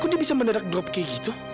aku dia bisa mendadak drop kayak gitu